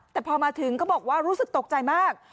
แต่พอมาถึงเขาบอกว่ารู้สึกตกใจมาก